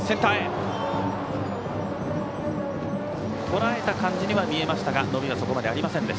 とらえた感じには見えましたが伸びはありません。